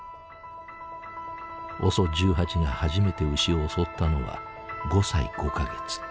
ＯＳＯ１８が初めて牛を襲ったのは５歳５か月。